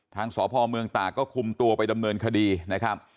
ทางสพเมืองตากก็คุมตัวไปดำเนินคดีนะครับ